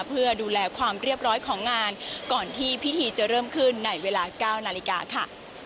เพื่อดูแลความเรียบร้อยของงานก่อนที่พิธีจะเริ่มขึ้นในเวลา๙นาฬิกาค่ะ